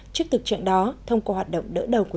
trước thực trạng đó thông qua hoạt động đỡ đầu của